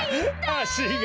あしが。